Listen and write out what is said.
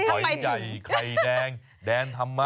ไข่ใหญ่ใจไข่แดงแดนธรรมะ